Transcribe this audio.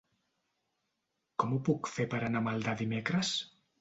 Com ho puc fer per anar a Maldà dimecres?